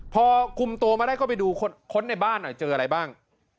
พอคุมตัวมาได้ก็ไปดูค้นในบ้านหน่อยเจออะไรบ้าง